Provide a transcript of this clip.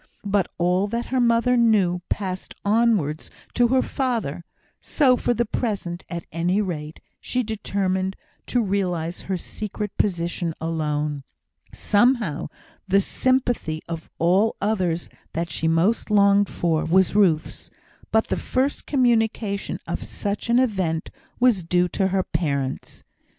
But all that her mother knew passed onwards to her father; so for the present, at any rate, she determined to realise her secret position alone. Somehow, the sympathy of all others that she most longed for was Ruth's; but the first communication of such an event was due to her parents.